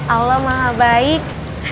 allah maha baik